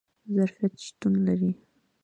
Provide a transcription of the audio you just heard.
ظرفیت شتون لري